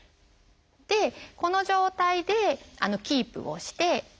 でこの状態でキープをして。